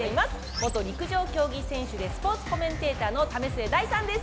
元陸上競技選手でスポーツコメンテーターの為末大さんです！